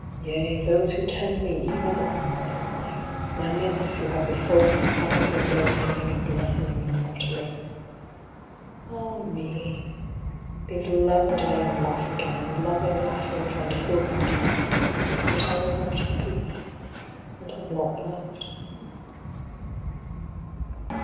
17 yea, those who tend me even are more than I, my nymphs who have the souls of flowers and birds singing and blossoming immortally. Ah me! these love a day and laugh again, and loving, laughing, find a full content; but I know nought of peace, and have not loved.